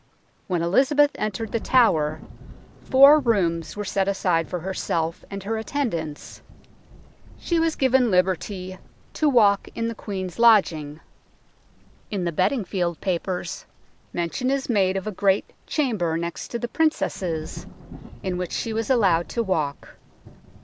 When Elizabeth entered The Tower, four rooms were set aside for herself and her attendants. She was given liberty " to walk THE BELL TOWER 71 in the Queen's Lodging." In the Beding field Papers, mention is made of " a great chamber next the Princess's " in which she was allowed to walk.